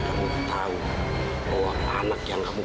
mahu mahu bersabarkah dengan seorang soemong